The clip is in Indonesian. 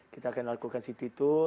kita akan lakukan city tour